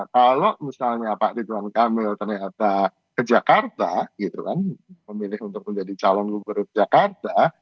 kalau misalnya pak ridwan kamil ternyata ke jakarta gitu kan memilih untuk menjadi calon gubernur jakarta